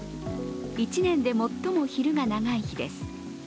１年で最も昼が長い日です。